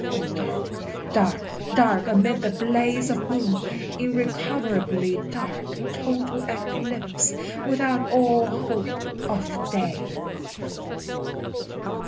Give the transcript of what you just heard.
O dark, dark, dark, amid the blaze of moon, Irrecoverably dark, total eclipse, Without all hope of day!